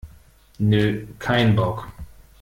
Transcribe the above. Nö, kein Bock!